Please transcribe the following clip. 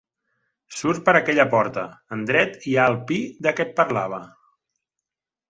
Surt per aquella porta: en dret hi ha el pi de què et parlava.